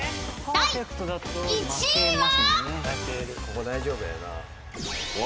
［第２位は？］